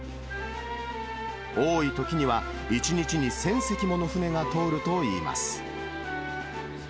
多いときには１日に１０００隻もの船が通るといいます。